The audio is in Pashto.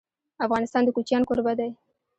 افغانستان د کوچیان کوربه دی.